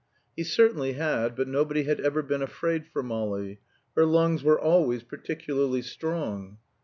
He certainly had; but nobody had ever been afraid for Molly; her lungs were always particularly strong.